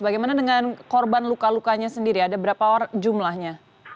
bagaimana dengan korban luka lukanya sendiri ada berapa jumlahnya